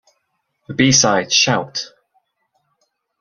The B-side, Shout!